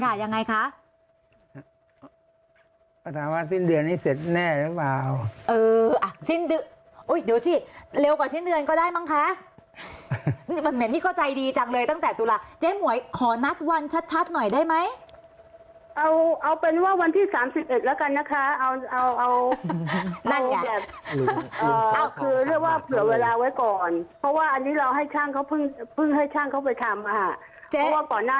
เจ๊หมวยค่ะเอาอย่างงี้เราไม่เคยเห็นหน้ากันเจ๊หมวยเนี่ยเป็นคนไหนในไลฟ์ในคลิปที่ไลฟ์เป็นข่าวคะ